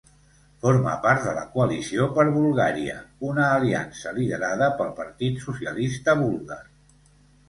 Forma part de la Coalició per Bulgària, una aliança liderada pel Partit Socialista Búlgar.